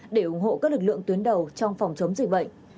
để ủng hộ các lực lượng tuyến đầu trong phòng chống dịch bệnh